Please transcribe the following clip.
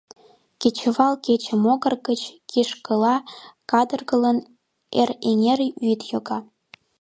Кечывал кече могыр гыч, кишкыла кадыргылын, Эрэҥер вӱд йога.